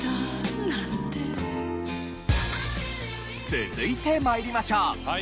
続いて参りましょう。